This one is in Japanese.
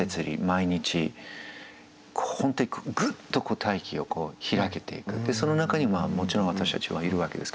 毎日本当にグッと大気を開けていくその中にもちろん私たちはいるわけですけど。